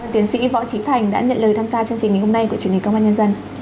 tiến sĩ võ trí thành đã nhận lời tham gia chương trình ngày hôm nay của truyền hình công an nhân dân